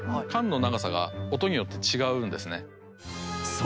そう！